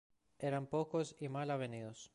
Eran pocos y mal avenidos